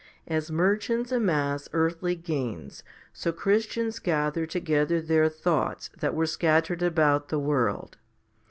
A s merchants amass earthly gains, so Christians gather together their thoughts that were scattered about the world.